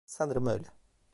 Sanırım öyle.